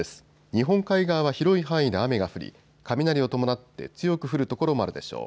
日本海側は広い範囲で雨が降り雷を伴って強く降る所もあるでしょう。